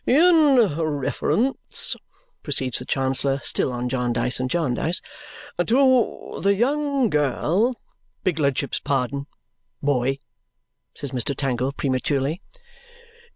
"In reference," proceeds the Chancellor, still on Jarndyce and Jarndyce, "to the young girl " "Begludship's pardon boy," says Mr. Tangle prematurely.